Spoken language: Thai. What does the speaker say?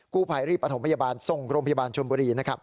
กู้ภัยรีบประถมพยาบาลทรงโรงพยาบาลชมบุรี